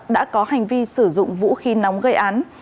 đã có hành vi sử dụng vũ khí nóng gây án